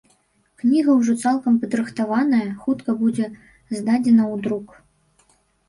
Кніга ўжо цалкам падрыхтаваная, хутка будзе здадзеная ў друк.